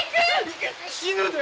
死ぬで！